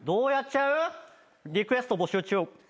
リクエスト募集中。